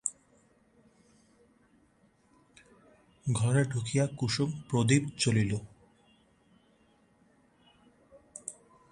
ঘরে ঢুকিয়া কুসুম প্রদীপ জ্বলিল।